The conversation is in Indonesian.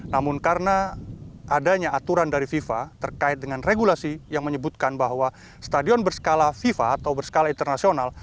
namun karena adanya aturan dari fifa terkait dengan regulasi yang menyebutkan bahwa stadion berskala fifa atau berskala internasional